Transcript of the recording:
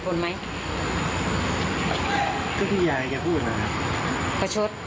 ประชด